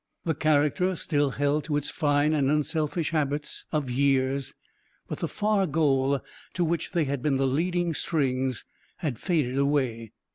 The character still held to its fine and unselfish habits of years, but the far goal to which they had been the leading strings had faded away.